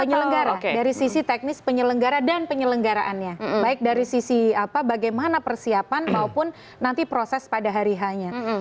penyelenggara dari sisi teknis penyelenggara dan penyelenggaraannya baik dari sisi apa bagaimana persiapan maupun nanti proses pada hari h nya